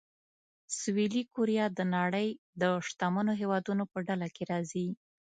سویلي کوریا د نړۍ د شتمنو هېوادونو په ډله کې راځي.